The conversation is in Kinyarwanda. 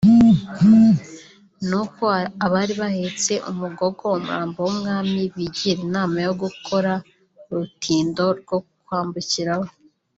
nuko abari bahetse umugogo (umurambo w’umwami) bigira inama yo gukora urutindo rwo kwambukiraho